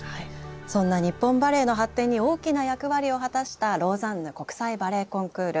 そんな日本バレエの発展に大きな役割を果たしたローザンヌ国際バレエコンクール。